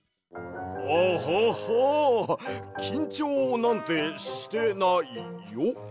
アハハきんちょうなんてしてないよ。